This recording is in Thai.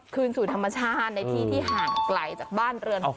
คืนสู่ธรรมชาติในที่ที่ห่างไกลจากบ้านเรือน